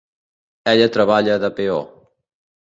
Ella treballa de peó.